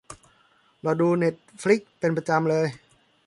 เราดูเน็ตฟลิกซ์เป็นประจำเลย